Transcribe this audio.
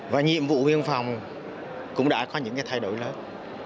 và nhiệm vụ biên phòng cũng đã có những thay đổi lớn